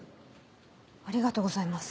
ありがとうございます。